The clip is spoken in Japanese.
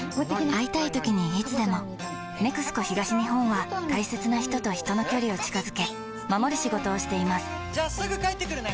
会いたいときにいつでも「ＮＥＸＣＯ東日本」は大切な人と人の距離を近づけ守る仕事をしていますじゃあすぐ帰ってくるね！